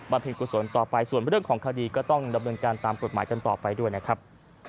เพลงกุศลต่อไปส่วนเรื่องของคดีก็ต้องดำเนินการตามกฎหมายกันต่อไปด้วยนะครับ